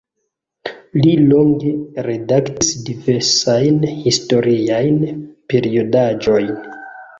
Li longe redaktis diversajn historiajn periodaĵojn.